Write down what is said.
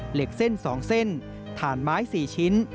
เหล็กเส้น๒เส้นถ่านไม้๔ชิ้น